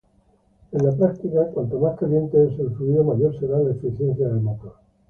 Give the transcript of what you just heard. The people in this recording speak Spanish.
En la práctica, cuanto más caliente el fluido, mayor será la eficiencia del motor.